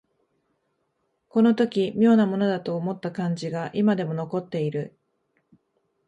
この時妙なものだと思った感じが今でも残っている